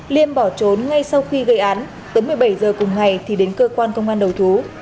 liêm bỏ trốn ngay sau khi gây án tới một mươi bảy h cùng ngày thì đến cơ quan công an đầu thú